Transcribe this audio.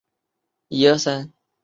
毗尸罗婆迎娶持力仙人。